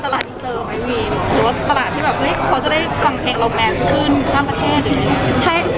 กล้ามแพร่เดี๋ยวนี้